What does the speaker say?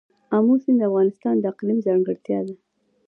آمو سیند د افغانستان د اقلیم ځانګړتیا ده.